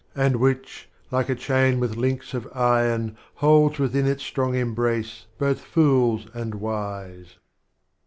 And which, like a Chain with Links of Iron, holds Within its strong embrace, both Fools and Wise.